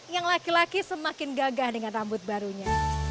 yang laki laki semakin gagah dengan rambut barunya